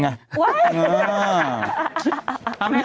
ทำให้เอายังไง